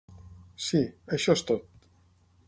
Sí, això és tot.